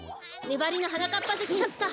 ねばりのはなかっぱぜきかつか？